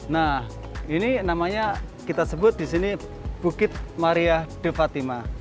nah ini namanya kita sebut di sini bukit maria de fatima